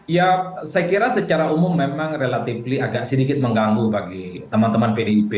ya saya kira secara umum memang relatif agak sedikit mengganggu bagi teman teman pdip